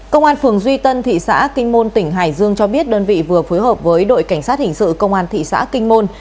công an phường duy tân thị xã kinh môn tỉnh hải dương cho biết đơn vị vừa phối hợp với đội cảnh sát hình sự công an thị xã kinh môn